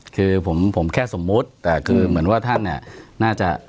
คือผมแค่สมมุติแต่คือเหมือนว่าท่านเนี่ยน่าจะ